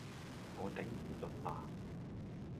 我頂唔順啦